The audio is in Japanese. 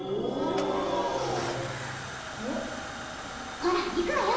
ほらいくわよ！